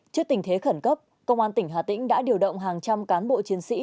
trước tình thế khẩn cấp công an tỉnh hà tĩnh đã điều động hàng trăm cán bộ chiến sĩ